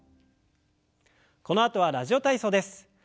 このあとは「ラジオ体操」です。